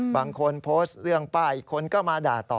บางคนโพสต์เรื่องป้าอีกคนก็มาด่าต่อ